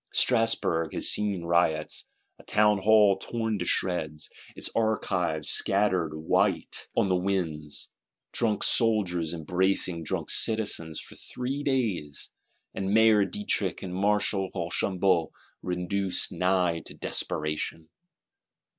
Strasburg has seen riots: a Townhall torn to shreds, its archives scattered white on the winds; drunk soldiers embracing drunk citizens for three days, and Mayor Dietrich and Marshal Rochambeau reduced nigh to desperation.